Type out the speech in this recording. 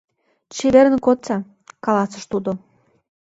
— Чеверын кодса, — каласыш тудо.